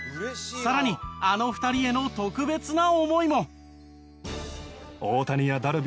更にあの２人への特別な思いも。